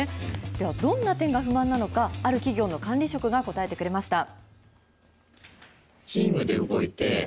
ではどんな点が不満なのか、ある企業の管理職が答えてくれました。